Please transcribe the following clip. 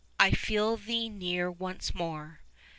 I feel thee near once more.